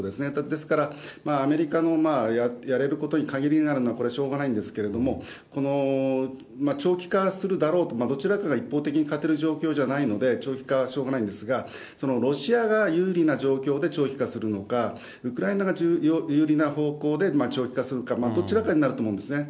ですから、アメリカのやれることに限りがあるのはこれ、しょうがないんですけども、この長期化するだろうと、どちらかが一方的に勝てる状況ではないので、長期化はしょうがないんですが、ロシアが有利な状況で長期化するのか、ウクライナが有利な方向で長期化するか、どちらかになると思うんですね。